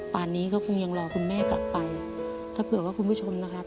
นี้ก็คงยังรอคุณแม่กลับไปถ้าเผื่อว่าคุณผู้ชมนะครับ